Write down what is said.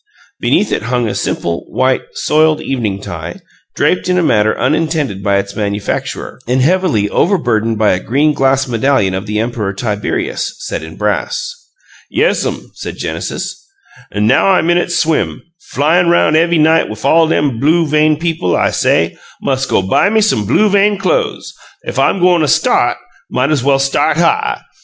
Beneath it hung a simple, white, soiled evening tie, draped in a manner unintended by its manufacturer, and heavily overburdened by a green glass medallion of the Emperor Tiberius, set in brass. "Yesm," said Genesis. "Now I'm in 'at Swim flyin' roun' ev'y night wif all lem blue vein people I say, 'Mus' go buy me some blue vein clo'es! Ef I'm go'n' a START, might's well start HIGH!'